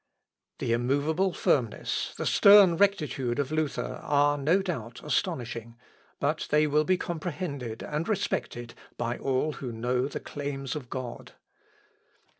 The immovable firmness, the stern rectitude of Luther, are, no doubt, astonishing, but they will be comprehended and respected by all who know the claims of God.